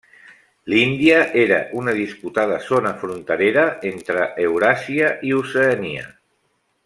L'Índia era una disputada zona fronterera entre Euràsia i Oceania.